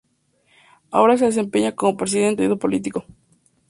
Ahora se desempeña como presidente de ese partido político.